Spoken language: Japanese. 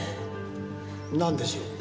なんでしょう？